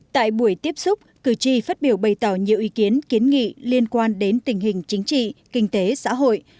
tại buổi tiếp xúc cử tri phát biểu bày tỏ nhiều ý kiến kiến nghị liên quan đến tình hình chính trị kinh tế xã hội